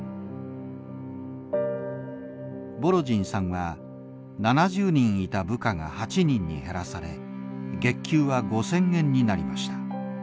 ボロジンさんは７０人いた部下が８人に減らされ月給は５，０００円になりました。